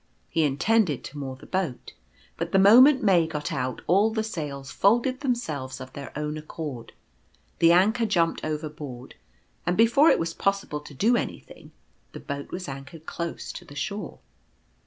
He intended to moor the boat; but the moment May got out all the sails folded themselves of their own accord, the anchor jumped overboard, and before it was possible to do anything the boat was anchored close to the shore.